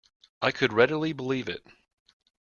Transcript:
I could readily believe it.